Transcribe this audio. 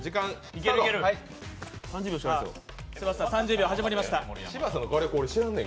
柴田さん、３０秒、始まりました。